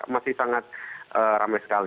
masih sangat ramai sekali